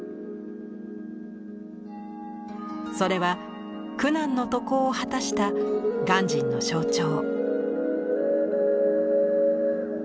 それは苦難の渡航を果たした鑑真の象徴。